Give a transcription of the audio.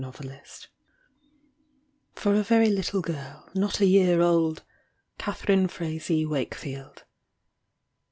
Sunshine For a Very Little Girl, Not a Year Old. Catharine Frazee Wakefield.